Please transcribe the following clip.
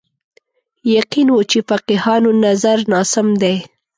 یقین و چې فقیهانو نظر ناسم دی